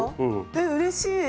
えっうれしい！